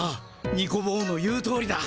ニコ坊の言うとおりだ。